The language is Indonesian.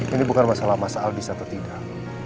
ini bukan masalah masalah dis atau tidak